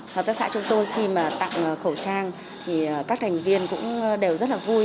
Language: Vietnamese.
hợp tác xã chúng tôi khi mà tặng khẩu trang thì các thành viên cũng đều rất là vui